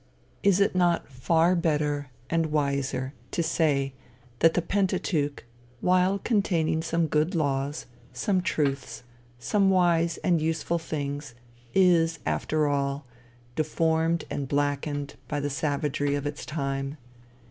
Is it not far better and wiser to say that the Pentateuch while containing some good laws, some truths, some wise and useful things is, after all, deformed and blackened by the savagery of its time?